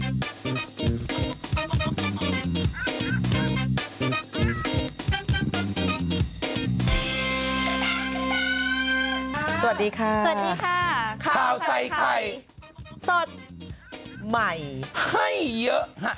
สวัสดีค่ะสวัสดีค่ะข้าวใส่ไข่สดใหม่ให้เยอะฮะ